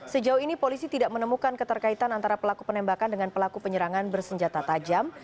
sejauh ini polisi tidak menemukan keterkaitan antara pelaku penembakan dengan pelaku penyerangan bersenjata tajam